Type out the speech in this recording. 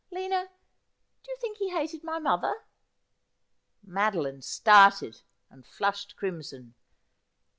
Lina, do you think he hated my mother ?' Madeline started, and flushed crimson.